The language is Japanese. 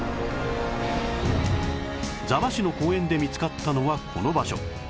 座間市の公園で見つかったのはこの場所